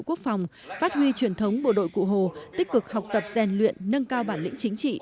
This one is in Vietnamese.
quốc phòng phát huy truyền thống bộ đội cụ hồ tích cực học tập rèn luyện nâng cao bản lĩnh chính trị